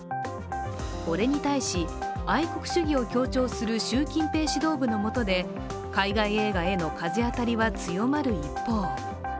これに対し、愛国主義を強調する習近平指導部のもとで海外映画への風当たりは強まる一方。